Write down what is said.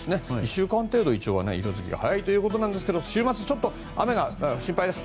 １週間程度色づきが早いということですが週末ちょっと雨が心配です。